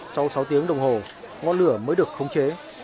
sau sáu tiếng đồng hồ ngọn lửa mới được khống chế